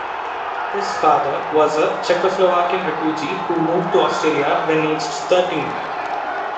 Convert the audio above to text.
His father was a Czechoslovakian refugee who moved to Australia when aged thirteen.